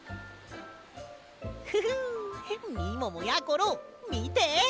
ふふんみももやころみて！